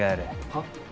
はっ？